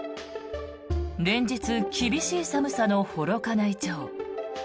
連日、厳しい寒さの幌加内町。